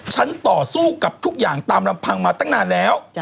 ต่อสู้กับทุกอย่างตามลำพังมาตั้งนานแล้ว